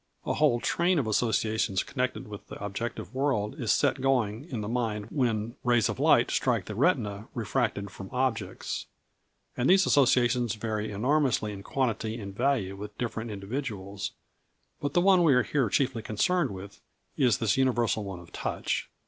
A whole train of associations connected with the objective world is set going in the mind when rays of light strike the retina refracted from objects. And these associations vary enormously in quantity and value with different individuals; but the one we are here chiefly concerned with is this universal one of touch.